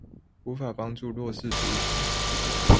無法幫助弱勢族群